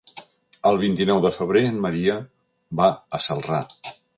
El vint-i-nou de febrer en Maria va a Celrà.